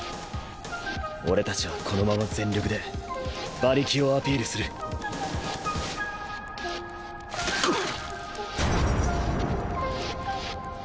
俺たちはこのまま全力で馬力をアピールするがはっ！